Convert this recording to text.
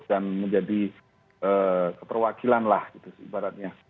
dan menjadi ee keperwakilan lah gitu sih ibaratnya